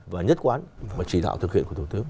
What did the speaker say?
và nhất quán và chỉ đạo thực hiện của thủ tướng